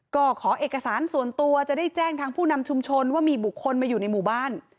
ก็ขอเอกสารส่วนตัวจะได้แจ้งทางผู้นำชุมชนว่ามีบุคคลมาอยู่ในหมู่บ้าน